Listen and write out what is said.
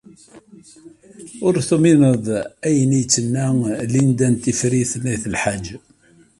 Ur tumineḍ ayen ay d-tenna Lidya n Tifrit n At Lḥaǧ.